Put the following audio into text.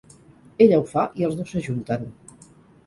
Ella ho fa, i els dos s'ajunten.